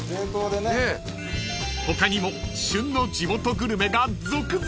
［他にも旬の地元グルメが続々！］